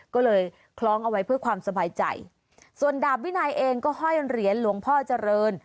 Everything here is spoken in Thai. ก็เลยคล้องเอาไว้เพื่อความสบายใจส่วนดาบวินัยเองก็ห้อยเหรียญหลวงพ่อเจริญ